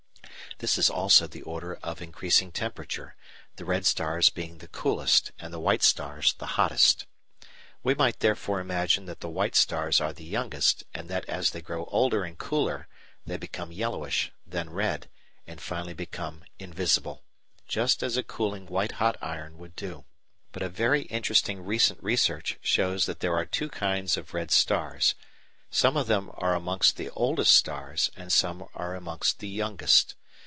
This is also the order of increasing temperature, the red stars being the coolest and the white stars the hottest. We might therefore imagine that the white stars are the youngest, and that as they grow older and cooler they become yellowish, then red, and finally become invisible just as a cooling white hot iron would do. But a very interesting recent research shows that there are two kinds of red stars; some of them are amongst the oldest stars and some are amongst the youngest.